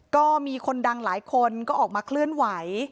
ก็มีคนดังหลายคนก็ออกมาเคลื่อนไหว